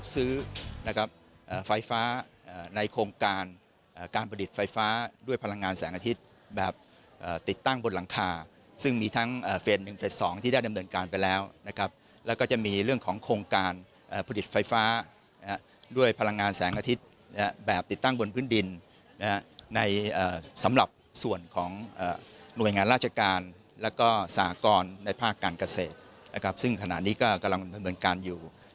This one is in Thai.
ซึ่งขณะนี้ก็กำลังเป็นประเมินการอยู่